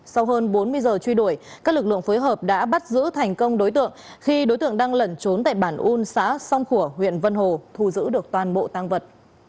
sau hơn bốn mươi giờ truy đuổi các lực lượng phối hợp đã bắt giữ thành công đối tượng khi đối tượng đang lẩn trốn tại bản un xã song khủa huyện vân hồ thu giữ được toàn bộ tăng vật